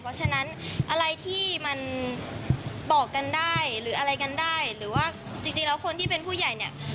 เพราะฉะนั้นอะไรที่มันบอกกันได้หรืออะไรกันได้หรือว่าจริงแล้วคนที่เป็นผู้ใหญ่เนี่ย